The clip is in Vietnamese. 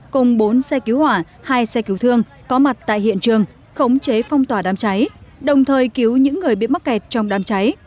cả hai xe cứu thương có mặt tại hiện trường khống chế phong tỏa đám cháy đồng thời cứu những người bị mắc kẹt trong đám cháy